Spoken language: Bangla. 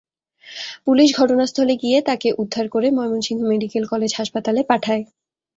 পুলিশ ঘটনাস্থলে গিয়ে তাঁকে উদ্ধার করে ময়মনসিংহ মেডিকেল কলেজ হাসপাতালে পাঠায়।